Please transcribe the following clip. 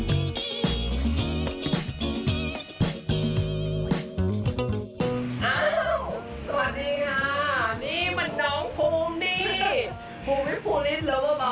ไม่ได้เตรียมมาเลยนะไม่ได้เตรียมเลยนะ